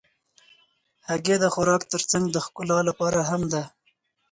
هګۍ د خوراک تر څنګ د ښکلا لپاره هم ده.